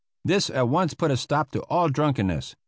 This at once put a stop to all drunkenness.